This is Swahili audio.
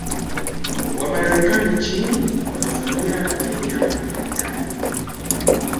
wa Marekani nchini Tanzania na Kenya Marekani